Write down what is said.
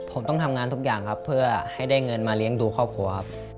ผมต้องทำงานทุกอย่างครับเพื่อให้ได้เงินมาเลี้ยงดูครอบครัวครับ